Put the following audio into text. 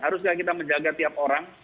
harusnya kita menjaga tiap orang